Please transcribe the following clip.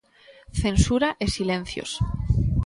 "Censura" e "silencios".